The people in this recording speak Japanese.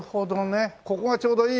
ここがちょうどいい雰囲気で。